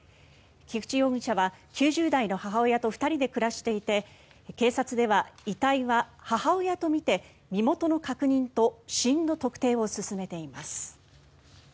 菊地容疑者は９０代の母親と２人で暮らしていて警察では遺体は母親とみて身元の確認と死因の特定を進めています。